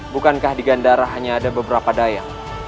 bukankah di gandara hanya ada beberapa daya